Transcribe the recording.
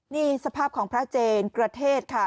นี่สภาพของพระเจนกระเทศค่ะ